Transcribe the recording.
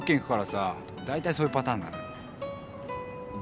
大体そういうパターンなんだ。